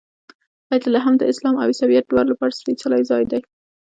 بیت لحم د اسلام او عیسویت دواړو لپاره سپېڅلی ځای دی.